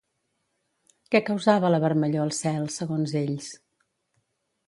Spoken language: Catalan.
Què causava la vermellor al cel, segons ells?